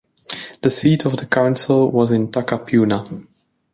The seat of the council was in Takapuna.